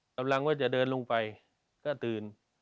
กำลังว่าจะเดินลงไปก็ตื่น